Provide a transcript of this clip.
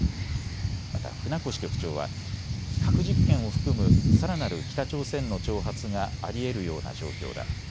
また船越局長は核実験を含むさらなる北朝鮮の挑発がありえるような状況だ。